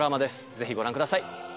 ぜひご覧ください。